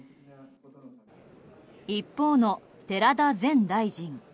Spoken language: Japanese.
一方の寺田前大臣。